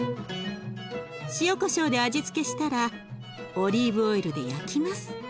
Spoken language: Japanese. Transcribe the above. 塩こしょうで味付けしたらオリーブオイルで焼きます。